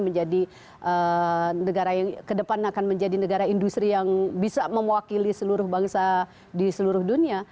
menjadi negara yang kedepan akan menjadi negara industri yang bisa mewakili seluruh bangsa di seluruh dunia